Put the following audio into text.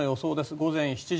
午前７時。